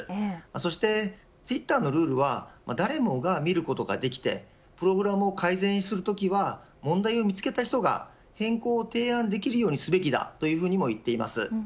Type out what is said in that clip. そしてツイッターのルールは誰もが見ることができてプログラムを改善するときは問題を見つけた人が変更を提案できるようにすべきだとも言っています。